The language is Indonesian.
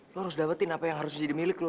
lo harus dapetin apa yang harusnya jadi milik lo